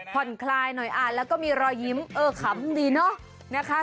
ผ่อนคลายหน่อยอ่านแล้วก็มีรอยยิ้มเออขำดีเนอะนะคะ